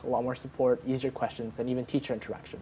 banyak support pertanyaan yang lebih mudah dan bahkan interaksi guru